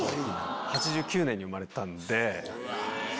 ８９年に生まれたんで。